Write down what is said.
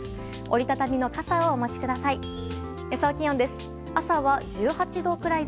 折り畳みの傘をお持ちください。